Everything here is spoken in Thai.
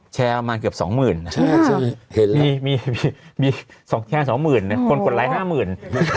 แชร์มากเกือบ๒๐๐๐๐นะแชร์๒๐๐๐๐คนกดไลน์๕๐๐๐๐